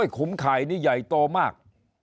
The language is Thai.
ขุมข่ายนี่ใหญ่โตมาก